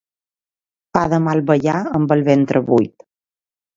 Fa de mal ballar amb el ventre buit.